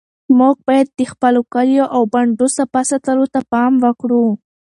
موږ باید د خپلو کلیو او بانډو صفا ساتلو ته پام وکړو.